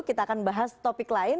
kita akan bahas topik lain